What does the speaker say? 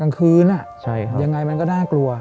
กลางคืนยังไงมันก็น่ากลัว